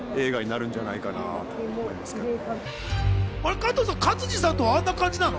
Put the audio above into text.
加藤さん、勝地さんとあんな感じなの？